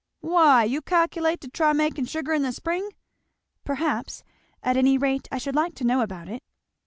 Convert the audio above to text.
"Why, you calculate to try makin' sugar in the spring?" "Perhaps at any rate I should like to know about it."